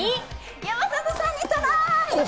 山里さんにトライ！